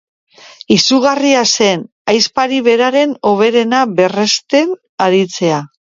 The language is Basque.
Izugarria zen ahizpari beraren hobena berresten aditzea.